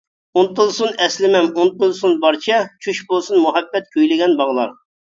ئۇنتۇلسۇن ئەسلىمەم ئۇنتۇلسۇن بارچە، چۈش بولسۇن مۇھەببەت كۈيلەنگەن باغلار.